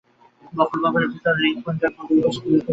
বক্ষগহ্বরের ভিতর হৃদপিন্ডের দুই পাশে দুটি ফুসফুস অবস্থিত।